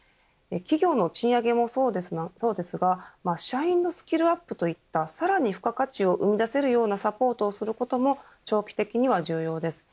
企業の賃上げもそうですが社員のスキルアップといったさらに付加価値を生み出せるようなサポートをすることも長期的には重要です。